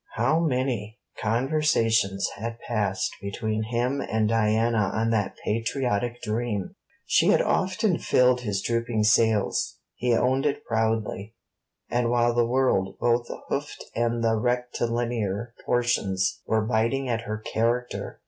How many conversations had passed between him and Diana on that patriotic dream! She had often filled his drooping sails; he owned it proudly: and while the world, both the hoofed and the rectilinear portions, were biting at her character!